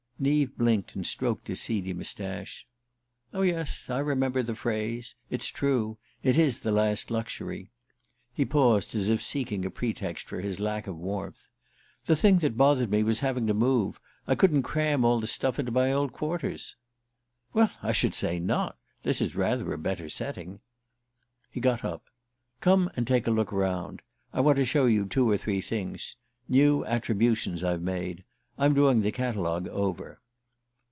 Neave blinked and stroked his seedy moustache. "Oh, yes. I remember the phrase. It's true it is the last luxury." He paused, as if seeking a pretext for his lack of warmth. "The thing that bothered me was having to move. I couldn't cram all the stuff into my old quarters." "Well, I should say not! This is rather a better setting." He got up. "Come and take a look round. I want to show you two or three things new attributions I've made. I'm doing the catalogue over."